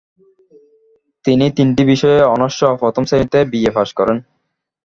তিনি তিনটি বিষয়ে অনার্সসহ প্রথম শ্রেণিতে বি.এ. পাশ করেন।